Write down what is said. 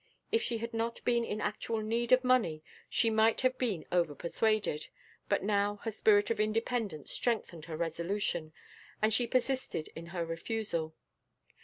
If she had not been in actual need of money, she might have been over persuaded, but now her spirit of independence strengthened her resolution, and she persisted in her refusal.